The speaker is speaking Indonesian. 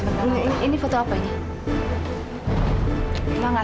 tante jangan marah